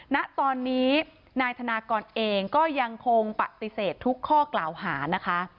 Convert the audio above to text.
ณตอนนี้นายธนากรเองก็ยังคงปฏิเสธทุกข้อกล่าวหานะคะ